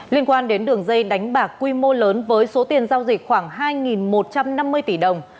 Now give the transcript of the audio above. liên quan đến đường dây đánh bạc quy mô lớn với số tiền giao dịch khoảng hai một trăm năm mươi tỷ đồng